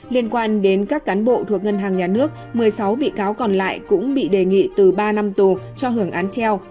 liên quan đến các cán bộ thuộc ngân hàng nhà nước một mươi sáu bị cáo còn lại cũng bị đề nghị từ ba năm tù cho hưởng án treo